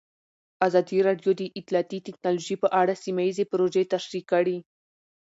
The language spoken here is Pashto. ازادي راډیو د اطلاعاتی تکنالوژي په اړه سیمه ییزې پروژې تشریح کړې.